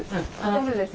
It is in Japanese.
大丈夫です。